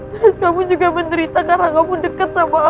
terus kamu juga menderita karena kamu deket sama aku